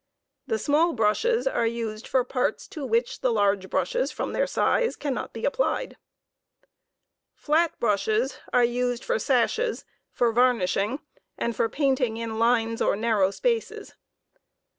The small brushes are used for parts to which the large brushes, from their size, cannot be applied. Flat brushes are used for sashes, for varnishing, and for painting in lines or narrow spaces.